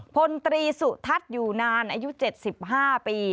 พลตรีสุทัศน์อยู่นานอายุ๗๕ปี